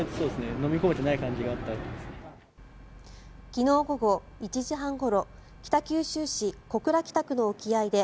昨日午後１時半ごろ北九州市小倉北区の沖合で